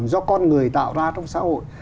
do con người tạo ra trong xã hội